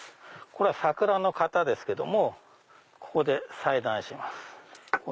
これは桜の型ですけどもここで裁断します。